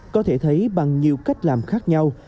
có thể thấy bằng nhiều cách làm khác nhau